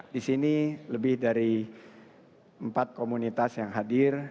di sini lebih dari empat komunitas yang hadir